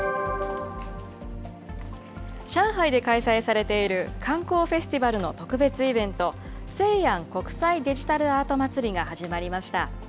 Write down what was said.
上海で開催されている観光フェスティバルの特別イベント、静安国際デジタルアート祭りが始まりました。